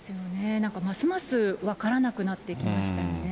なんかますます分からなくなってきましたよね。